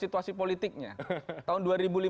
situasi politiknya tahun dua ribu lima belas